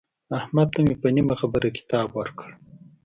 احمد ته مې په نیمه خبره کتاب ورکړ.